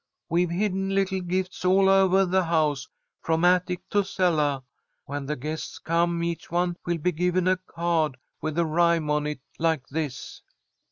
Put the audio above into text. We've hidden little gifts all ovah the house, from attic to cellah. When the guests come, each one will be given a card with a rhyme on it, like this."